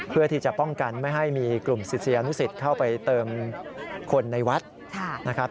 เพื่อที่จะป้องกันไม่ให้มีกลุ่มศิษยานุสิตเข้าไปเติมคนในวัดนะครับ